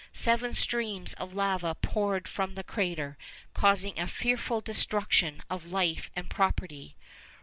Seven streams of lava poured from the crater, causing a fearful destruction of life and property.